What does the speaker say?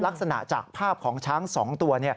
ลักษณะจากภาพของช้าง๒ตัว